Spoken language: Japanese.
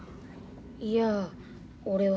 いや俺は。